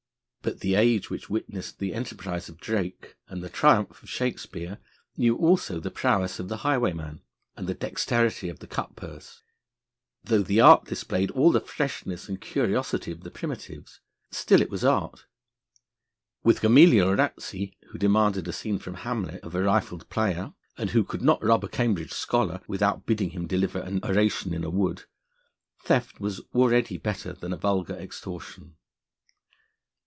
But the age which witnessed the enterprise of Drake and the triumph of Shakespeare knew also the prowess of the highwayman and the dexterity of the cutpurse. Though the art displayed all the freshness and curiosity of the primitives, still it was art. With Gamaliel Ratsey, who demanded a scene from Hamlet of a rifled player, and who could not rob a Cambridge scholar without bidding him deliver an oration in a wood, theft was already better than a vulgar extortion.